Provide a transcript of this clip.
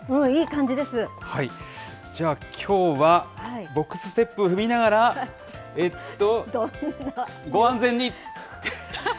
じゃあ、きょうはボックスステップを踏みながら、えっと、ご安全に！